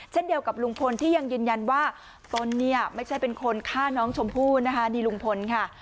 เช่นเดียวกับลุงพลที่ยังยืนยันว่าตนเนี่ยไม่ใช่เป็นคนฆ่าน้องชมพู่นะคะนี่ลุงพลค่ะ